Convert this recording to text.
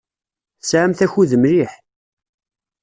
Tesɛamt akud mliḥ.